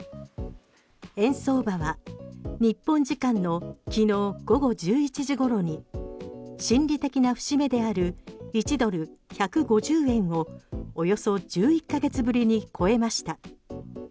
円相場は日本時間きのう午後１１時ごろに心理的な節目である１ドル＝１５０円をおよそ１１ヶ月ぶりに超えました。